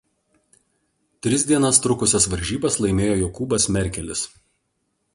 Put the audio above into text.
Tris dienas trukusias varžybas laimėjo Jokūbas Merkelis.